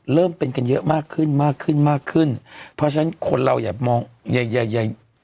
เริ่มเป็นกันเยอะมากขึ้นมากขึ้นมากขึ้นเพราะฉะนั้นคนเราอย่ามองใหญ่ใหญ่